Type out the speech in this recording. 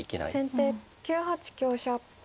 先手９八香車。